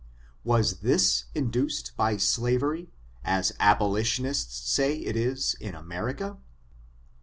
Was this induced by slavery, as aboli tionists say it is in America